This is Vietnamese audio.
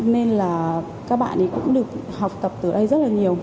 nên là các bạn thì cũng được học tập từ đây rất là nhiều